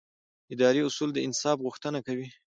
اداري اصول د انصاف غوښتنه کوي.